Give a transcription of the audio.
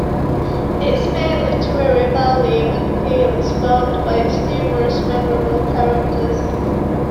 Its main literary value and appeal is formed by its numerous memorable characters.